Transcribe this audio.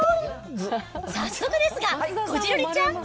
早速ですが、こじるりちゃん！